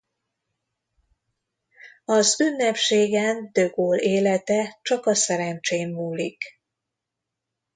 Az ünnepségen De Gaulle élete csak a szerencsén múlik.